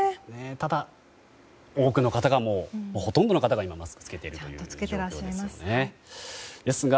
ただ、多くの方がほとんどの方が今マスクを着けているという状況ですね。